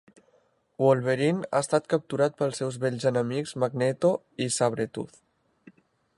Wolverine ha estat capturat pels seus vells enemics Magneto i Sabretooth.